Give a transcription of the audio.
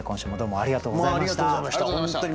ありがとうございました本当に。